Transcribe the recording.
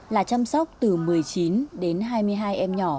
là chăm sóc từ một mươi chín đến hai mươi hai em nhỏ